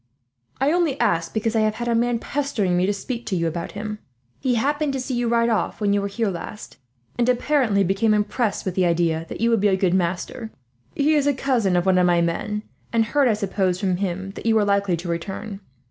"I only asked because I have had a man pestering me to speak to you about him. He happened to see you ride off, when you were here last, and apparently became impressed with the idea that you would be a good master. He is a cousin of one of my men, and heard I suppose from him that you were likely to return.